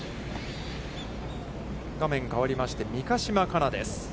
画面、変わりまして、三ヶ島かなです。